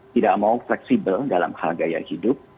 tidak mau fleksibel dalam hal gaya hidup